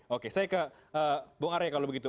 oke saya ke bung arya kalau begitu